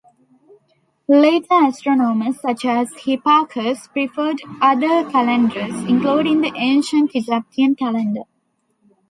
Later astronomers, such as Hipparchus, preferred other calendars, including the ancient Egyptian calendar.